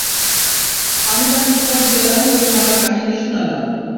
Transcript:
আমি তাঁর নিকট গেলাম এবং আমার কাহিনী শুনালাম।